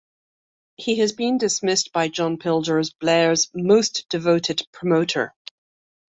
He has been dismissed by John Pilger as Blair's "most devoted promoter".